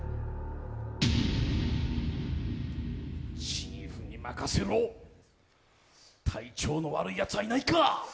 チーフに任せろ、体調の悪いやつはいないか。